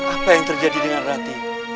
apa yang terjadi dengan hati